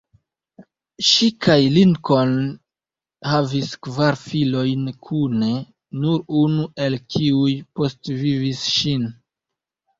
Ŝi kaj Lincoln havis kvar filojn kune, nur unu el kiuj postvivis ŝin.